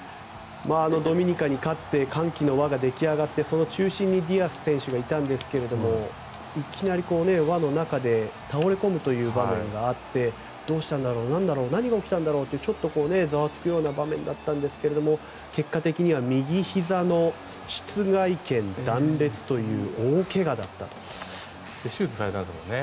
ドミニカに勝って歓喜の輪が出来上がってその中心にディアス選手がいたんですがいきなり輪の中で倒れ込むという場面があってどうしたんだろう、なんだろう何が起きたんだろうとちょっとざわつくような場面だったんですが結果的には右ひざの膝蓋腱断裂という手術されたんですもんね。